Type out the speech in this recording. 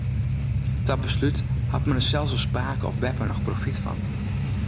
Ta beslút hat men der sels as pake of beppe noch profyt fan.